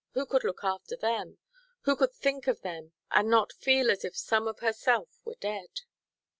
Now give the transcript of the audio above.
Who could look at them, who could think of them, and not feel as if some of herself were dead?